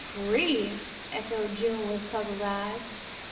"Free!" echoed June, with puzzled eyes.